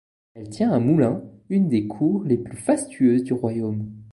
Elle tient à Moulins une des cours les plus fastueuses du royaume.